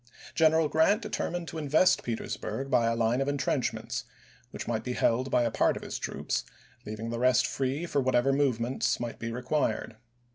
General Grant determined to invest Petersburg by a line of intrenchments, which might be held by a part of his troops, leaving the rest free for whatever move ments might be required.